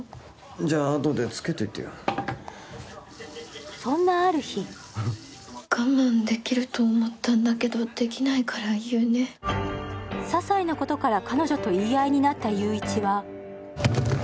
じゃああとでつけといてよそんなある日我慢できると思ったんだけどできないから言うねささいなことから何してんの？